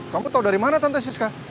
kamu tahu dari mana tante siska